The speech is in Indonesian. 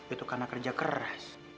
itu karena kerja keras